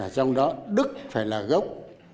trong đó đức phải là gốc